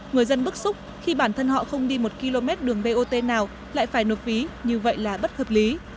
người dân bức xúc khi bản thân họ không đi một km đường bot nào lại phải nộp phí như vậy là bất hợp lý